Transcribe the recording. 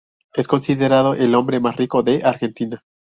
Es considerado el hombre más rico de Argentina.